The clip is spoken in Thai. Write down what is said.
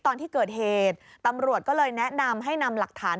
ตอนที่เกิดเหตุตำรวจก็เลยแนะนำให้นำหลักฐาน